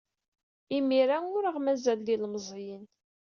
Imir-a ur aɣ-mazal d ilemẓiyen.